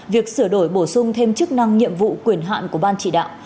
việc sửa đổi bổ sung thêm chức năng nhiệm vụ quyền hạn của ban chỉ đạo